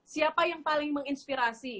siapa yang paling menginspirasi